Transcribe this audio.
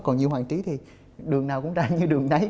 còn như hoàng trí thì đường nào cũng ra như đường đấy